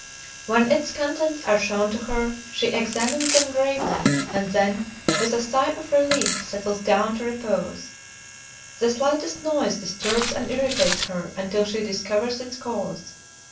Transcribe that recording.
When its contents are shown to her, she examines them gravely, and then, with a sigh of relief, settles down to repose. The slightest noise disturbs and irritates her until she discovers its cause.